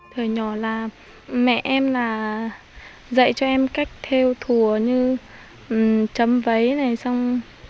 thời nhỏ là mẹ em dạy cho em cách theo thùa như chấm váy này xong